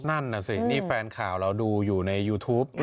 นั่นน่ะสินี่แฟนข่าวเราดูอยู่ในยูทูป